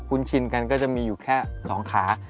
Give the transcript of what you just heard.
คุณชินกันก็จะมีอยู่แค่๒ขา